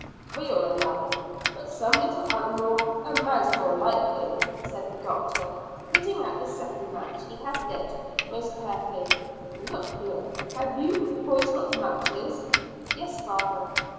"Real enough, but some little animal a mouse, more likely," said the doctor, putting out the second match he had lit most carefully. "Look here, have you boys got matches?" "Yes, father."